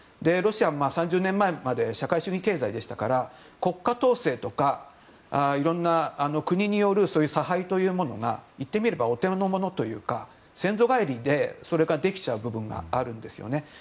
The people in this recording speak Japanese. ロシアが３０年前まで社会主義経済でしたから国家統制とかいろんな国による差配というものが言ってみればお手のものというか先祖返りでそれができちゃう部分があるんですよね。